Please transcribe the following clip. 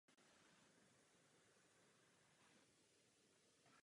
Album bylo inspirováno pobytem Coopera v sanatoriu v New Yorku kvůli jeho alkoholismu.